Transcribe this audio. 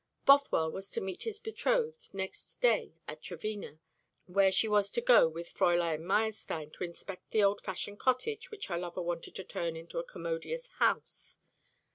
Bothwell was to meet his betrothed the next day at Trevena, where she was to go with Fräulein Meyerstein to inspect the old fashioned cottage which her lover wanted to turn into a commodious house.